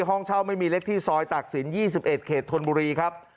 ห้องเช่าไม่มีเล็กที่ซอยตากศิลป๒๑เขตธนบุรีครับ